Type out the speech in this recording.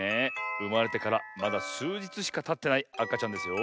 うまれてからまだすうじつしかたってないあかちゃんですよ。